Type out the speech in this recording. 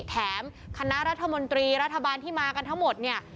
แถมคณะรัฐมนตรีรัฐบาลที่มากันทั้งหมดเนี่ย